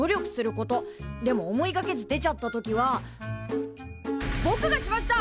でも思いがけず出ちゃった時は「ぼくがしました！